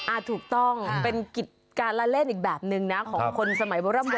อ่าถูกต้องเป็นกิจการเล่นอีกแบบนึงนะของคนสมัยโบราณ